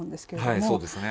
はいそうですね。